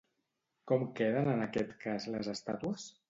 Com queden en aquest cas les estàtues?